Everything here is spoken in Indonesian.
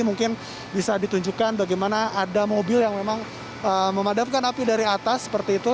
mungkin bisa ditunjukkan bagaimana ada mobil yang memang memadamkan api dari atas seperti itu